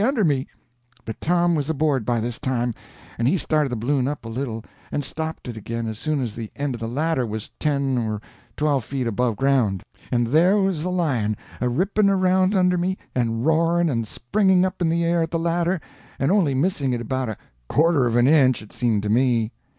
[Illustration: "And there was the lion, a ripping around under me"] But Tom was aboard by this time, and he started the balloon up a little, and stopped it again as soon as the end of the ladder was ten or twelve feet above ground. And there was the lion, a ripping around under me, and roaring and springing up in the air at the ladder, and only missing it about a quarter of an inch, it seemed to me.